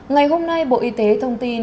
ngày hôm nay bộ y tế thông tin